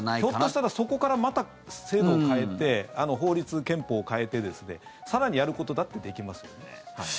ひょっとしたらそこから、また制度を変えて法律、憲法を変えて更にやることだってできますね。